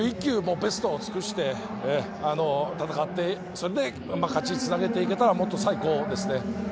ベストを尽くして戦ってそれで勝ちにつなげていけば最高です。